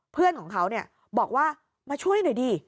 เพื่อนของเขาเนี่ยบอกว่ามาช่วยหน่อยดิ